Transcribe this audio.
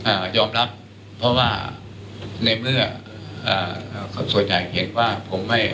อ่ายอมรับเพราะว่าในเมื่ออ่าเอ่อส่วนใหญ่เห็นว่าคงไม่